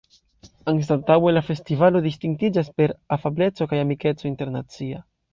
Anstataŭe, la festivalo distingiĝas per afableco kaj amikeco internacia.